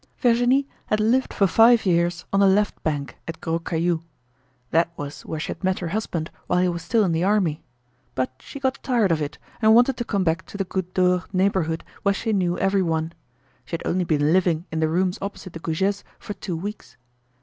Virginie had lived for five years on the Left Bank at Gros Caillou. That was where she had met her husband while he was still in the army. But she got tired of it, and wanted to come back to the Goutte d'Or neighborhood where she knew everyone. She had only been living in the rooms opposite the Goujets for two weeks.